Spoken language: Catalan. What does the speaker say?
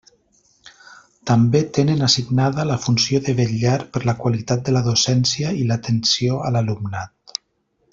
També tenen assignada la funció de vetllar per la qualitat de la docència i l'atenció a l'alumnat.